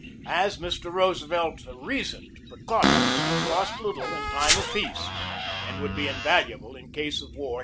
As Mr. Roosevelt reasoned, precautions would cost little in time of peace and would be invaluable in case of war.